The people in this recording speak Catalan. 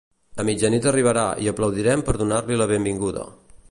A mitjanit arribarà i aplaudirem per donar-li la benvinguda